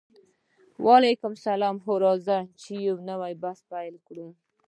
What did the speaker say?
وعلیکم السلام هو راځئ چې نوی بحث پیل کړو